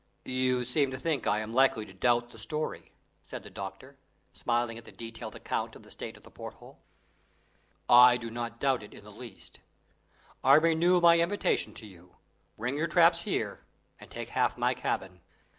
"You seem to think I am likely to doubt the story," said the doctor, smiling at the detailed account of the state of the porthole. "I do not doubt it in the least. I renew my invitation to you. Bring your traps here, and take half my cabin."